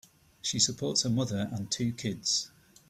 She supports a mother and two kids.